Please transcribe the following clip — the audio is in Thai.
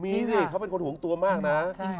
มีสิเขาเป็นคนห่วงตัวมากนะ